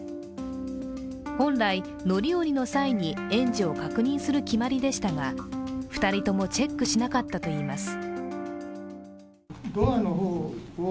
本来、乗り降りの際に園児を確認する決まりでしたが、２人ともチェックしなかったといいます。